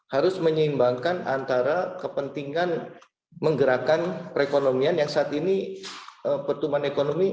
harus menyeimbangkan antara kepentingan menggerakkan perekonomian yang saat ini pertumbuhan ekonomi